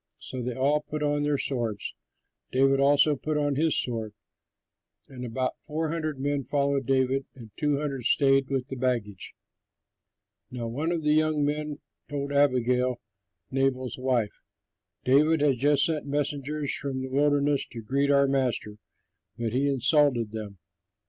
So they all put on their swords. David also put on his sword; and about four hundred men followed David, and two hundred stayed with the baggage. But one of the young men told Abigail, Nabal's wife, "David has just sent messengers from the wilderness to greet our master, but he insulted them.